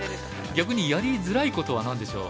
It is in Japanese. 逆にやりづらいことは何でしょう？